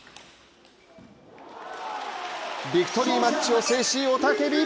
ビクトリーマッチを制し、雄たけび！